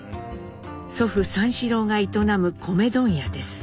祖父三四郎が営む米問屋です。